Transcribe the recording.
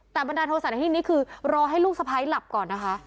แต่บันดาลโทษะในที่นี้คือรอให้ลูกสะพ้ายหลับก่อนนะคะ